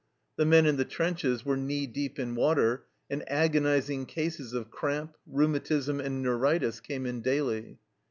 The men in the trenches were knee deep in water, and agonizing cases of cramp, rheumatism, and neuritis, came in daily.